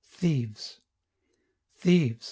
("Thieves!") Thieves!